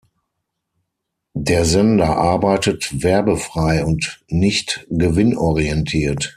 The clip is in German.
Der Sender arbeitet werbefrei und nicht gewinnorientiert.